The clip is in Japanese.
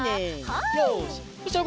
はい。